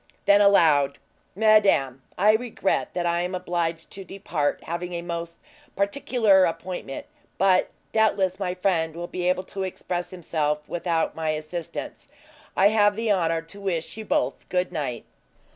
Then aloud: "Madame, I regret that I am obliged to depart, having a most particular appointment; but, doubtless, my friend will be able to express himself without my assistance. I have the honor to wish you both good night."